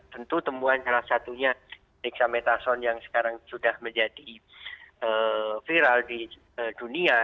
tentu temuan salah satunya dexamethasone yang sekarang sudah menjadi viral di dunia